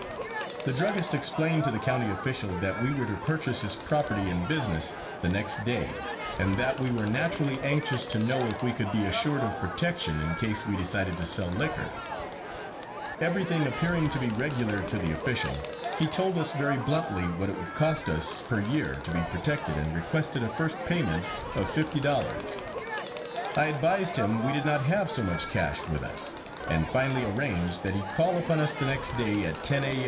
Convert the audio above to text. The druggist explained to the county official that we were to purchase his property and business the next day, and that we were naturally anxious to know if we could be assured of protection in case we decided to sell liquor. Everything appearing to be regular to the official, he told us very bluntly what it would cost us per year to be protected and requested a first payment of $50.00. I advised him we did not have so much cash with us, and finally arranged that he call upon us the next day at 10 a.